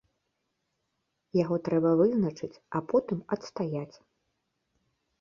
Яго трэба вызначыць, а потым адстаяць.